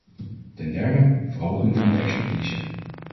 Ten derde: verhoging van de expertise.